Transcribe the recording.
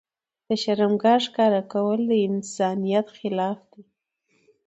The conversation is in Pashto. د شرمګاه ښکاره کول د انسانيت خلاف دي.